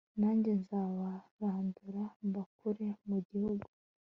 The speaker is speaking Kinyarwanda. nanjye nzabarandura mbakure mu gihugu